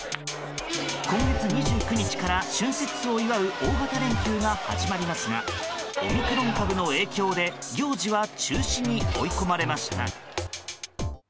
今月２９日から春節を祝う大型連休が始まりますがオミクロン株の影響で行事は中止に追い込まれました。